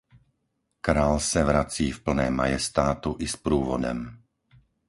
Král se vrací v plném majestátu i s průvodem.